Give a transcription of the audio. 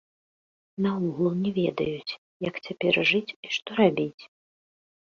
Наогул, не ведаюць, як цяпер жыць і што рабіць.